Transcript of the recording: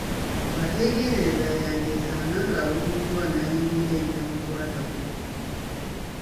Bw’ateegendereza y’andyesanga ng'awuguddwa n’ayingirira ebitamukwatako.